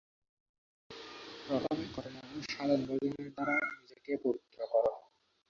প্রথমে কর্ম ও সাধন-ভজনের দ্বারা নিজেকে পবিত্র কর।